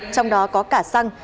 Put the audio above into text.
trong đó có cả xăng